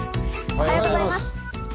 おはようございます。